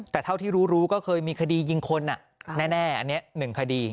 แต่เท่าที่รู้ก็เคยมีคดียิงคนแน่อันนี้๑คดี